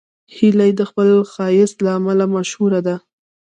هیلۍ د خپل ښایست له امله مشهوره ده